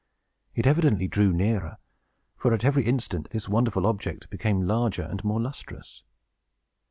It evidently drew nearer; for, at every instant, this wonderful object became larger and more lustrous.